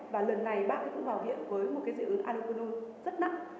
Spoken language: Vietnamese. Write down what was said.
và lần này bạn cũng vào hiện với một cái dị ứng alokonol rất nặng